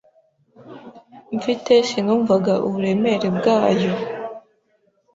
mfite sinumvaga uburemere bwayo